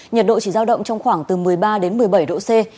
nhiệt độ chỉ giao động trong khoảng từ một mươi ba đến một mươi bảy độ c